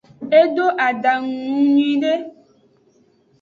Edo adangu nung nyiude.